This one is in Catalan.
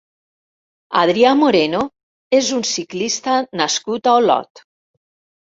Adrià Moreno és un ciclista nascut a Olot.